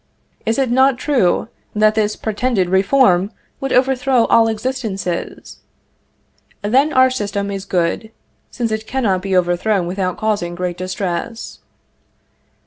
Is it not true that this pretended reform would overthrow all existences? Then our system is good, since it cannot be overthrown without causing great distress.